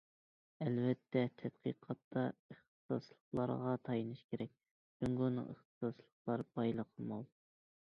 ئەلۋەتتە، تەتقىقاتتا ئىختىساسلىقلارغا تايىنىش كېرەك، جۇڭگونىڭ ئىختىساسلىقلار بايلىقى مول.